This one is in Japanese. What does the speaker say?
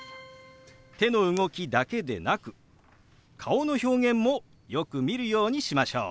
手の動きだけでなく顔の表現もよく見るようにしましょう。